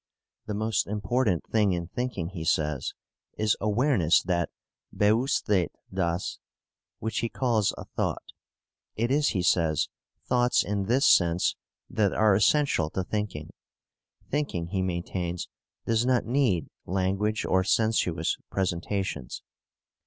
The most important thing in thinking, he says, is "awareness that..." (Bewusstheit dass), which he calls a thought. It is, he says, thoughts in this sense that are essential to thinking. Thinking, he maintains, does not need language or sensuous presentations.